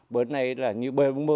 bọn này là như b bốn mươi